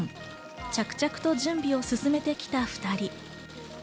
着々と準備を進めてきた２人。